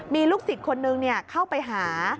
มีลูกศิษย์คนนึงเข้าไปหา